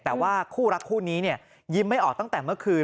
แต่ว่าคู่รักคู่นี้เนี่ยยิ้มไม่ออกตั้งแต่เมื่อคืน